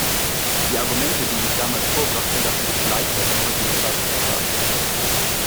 Die Argumente, die ich damals vorbrachte, lassen sich leicht auf die heutige Zeit übertragen.